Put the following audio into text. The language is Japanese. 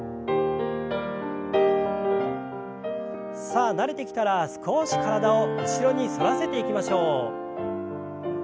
さあ慣れてきたら少し体を後ろに反らせていきましょう。